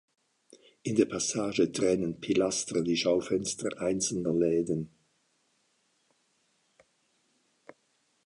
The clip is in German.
In der Passage trennen Pilaster die Schaufenster einzelner Läden.